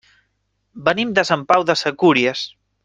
Venim de Sant Pau de Segúries.